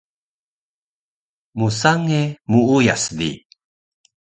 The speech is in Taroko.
Msange muuyas di